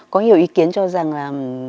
có nhiều ý kiến cho rằng là